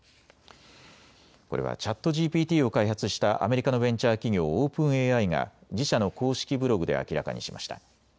これはＣｈａｔＧＰＴを開発したアメリカのベンチャー企業、オープンＡＩが自社の公式ブログで明らかにしました。